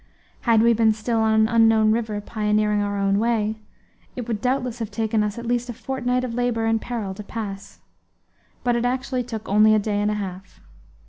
Had we been still on an unknown river, pioneering our own way, it would doubtless have taken us at least a fortnight of labor and peril to pass. But it actually took only a day and a half.